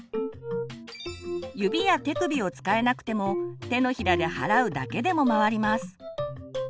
指や手首を使えなくても手のひらで払うだけでも回ります。